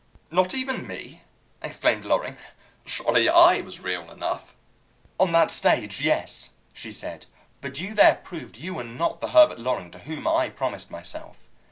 "Not even me!" exclaimed Loring. "Surely I was real enough!" "On that stage, yes," she said. "But you there proved you were not the Herbert Loring to whom I promised myself.